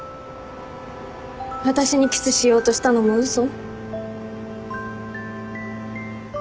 私にキスしようとしたのも嘘？